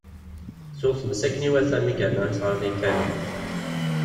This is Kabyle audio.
Tuɣ tmes akken i iwata mi yerna isɣaren i lkanun.